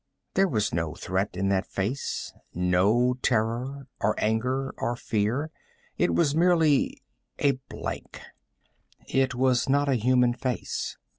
There was no threat in that face, no terror or anger or fear. It was merely a blank. It was not a human face.